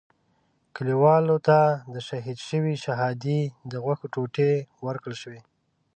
کلیوالو ته د شهید شوي شهادي د غوښو ټوټې ورکړل شوې.